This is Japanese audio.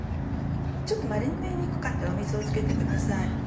ちょっと丸めにくかったら水を付けてください。